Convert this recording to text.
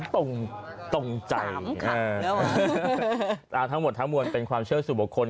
ตรงตรงใจสามขันแล้วอ่ะอ่าทั้งหมดทั้งมวลเป็นความเชื่อสุขบุคคล